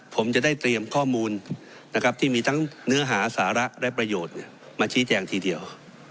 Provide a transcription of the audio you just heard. ผมจะได้เตรียมข้อมูลนะครับที่มีทั้งเนื้อหาสาระและประโยชน์มาชี้แจงทีเดียว